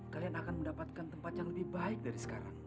kalian akan mendapatkan tempat yang lebih baik dari sekarang